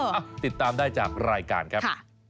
ติดตามได้จากรายการครับ